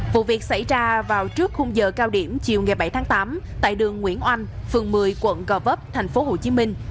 vụ việc xảy ra vào trước khung giờ cao điểm chiều ngày bảy tháng tám tại đường nguyễn oanh phường một mươi quận cò vấp thành phố hồ chí minh